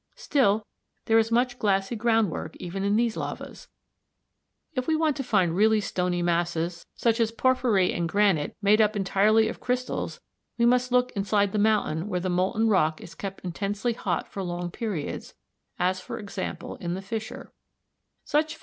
Still there is much glassy groundwork even in these lavas. If we want to find really stony masses such as porphyry and granite made up entirely of crystals we must look inside the mountain where the molten rock is kept intensely hot for long periods, as for example in the fissure g, Fig.